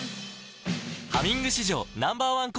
「ハミング」史上Ｎｏ．１抗菌